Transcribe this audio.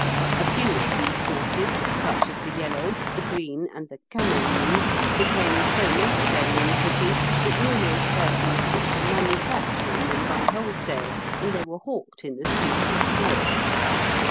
A few of these sauces, such as the yellow, the green, and the caméline, became so necessary in cooking that numerous persons took to manufacturing them by wholesale, and they were hawked in the streets of Paris.